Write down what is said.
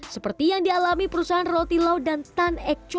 seperti yang dialami perusahaan roti laut dan terdampak pada tahun dua ribu dua puluh